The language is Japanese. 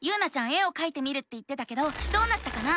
絵をかいてみるって言ってたけどどうなったかな？